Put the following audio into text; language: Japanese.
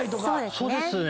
そうですね。